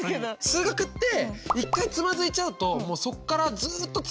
数学って一回つまずいちゃうともうそっからずっとつまずいていかない？